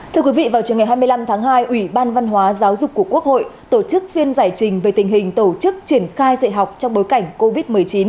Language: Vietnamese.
thưa quý vị vào trường ngày hai mươi năm tháng hai ủy ban văn hóa giáo dục của quốc hội tổ chức phiên giải trình về tình hình tổ chức triển khai dạy học trong bối cảnh covid một mươi chín